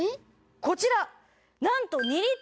こちらなんと。